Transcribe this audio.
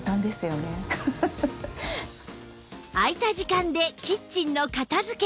空いた時間でキッチンの片付け